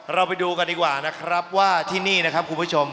เราไปดูกันดีกว่านะครับว่าที่นี่นะครับคุณผู้ชม